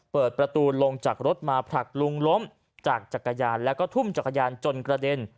เปิดประตูลงจากรถมาผลักลุงล้มจากจักรยานแล้วก็ทุ่มจักรยานจนกระเด็น